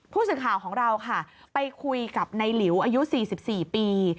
ผู้สื่อข่าวของเราค่ะไปคุยกับในหลิวอายุ๔๔ปี